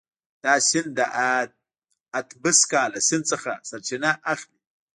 دا سیند د اتبسکا له سیند څخه سرچینه اخلي.